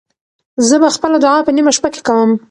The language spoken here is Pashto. زه به خپله دعا په نیمه شپه کې کوم.